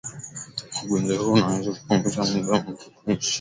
ugonjwa huu unaweza kupunguza muda wa mtu kuishi duniani